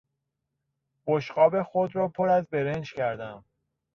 بشقاب خود را پر از برنج کردم.